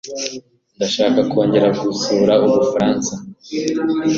Ndashaka kongera gusura ubu faratsa.